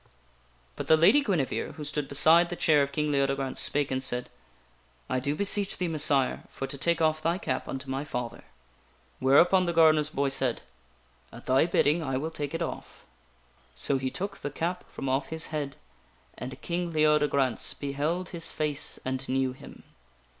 But the Lady Guinevere, who stood beside the chair of King Leode i 3 4 THE WINNING OF A QUEEN grance, spake and said: " I do beseech thee, Messire, for to take off thy cap unto my father." Whereupon the gardener's boy said :" At thy bidding I will take it off." So he took the cap from off his head, and King Leodegrance beheld his face and knew him.